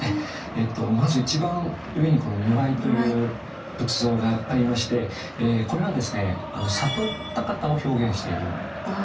まず一番上に如来という仏像がありましてこれはですね悟った方を表現しているんですね。